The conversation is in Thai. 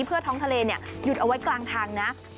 เพื่อท้องทะเลหยุดเอาไว้กลางทางนะ